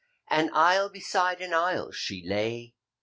An isle beside an isle she lay.